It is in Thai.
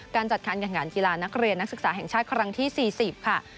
การจัดการแข่งขันกีฬานักเรียนนักศึกษาแห่งชาติครั้งที่๔๐ค่ะ